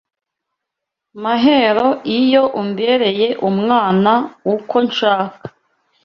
Mahero iyo umbereye Umwana uko nshaka